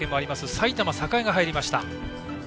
埼玉栄が入りました。